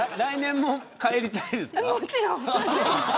もちろん。